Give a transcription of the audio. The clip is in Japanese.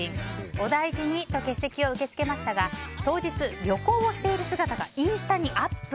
お大事にと欠席を受け付けましたが当日、旅行をしている姿がインスタにアップ。